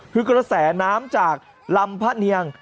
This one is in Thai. คือกระแสน้ำจากลำพะเนียง